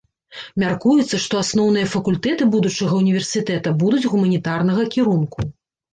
Мяркуецца, што асноўныя факультэты будучага ўніверсітэта будуць гуманітарнага кірунку.